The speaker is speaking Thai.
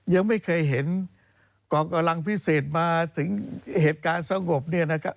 ยังไม่เคยเห็นกองกำลังพิเศษมาถึงเหตุการณ์สงบเนี่ยนะครับ